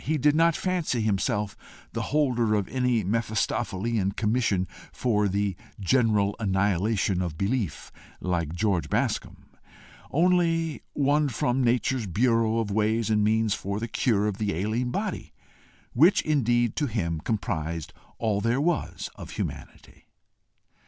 He did not fancy himself the holder of any Mephistophelean commission for the general annihilation of belief like George Bascombe, only one from nature's bureau of ways and means for the cure of the ailing body which, indeed, to him, comprised all there was of humanity.